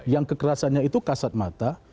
yang kekerasannya itu kasat mata